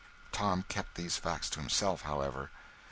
Tom kept these facts to himself, however.